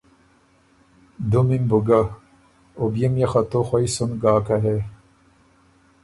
دُمی م بُو ګۀ، او بيې ميې تُو خه خوَئ سُن ګاکه هې